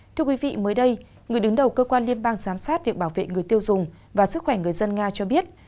thưa quý vị mới đây người đứng đầu cơ quan liên bang giám sát việc bảo vệ người tiêu dùng và sức khỏe người dân nga cho biết